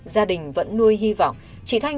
gia đình vẫn nuôi hy vọng chị thanh